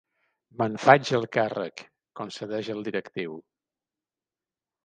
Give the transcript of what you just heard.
Me'n faig el càrrec —concedeix el directiu.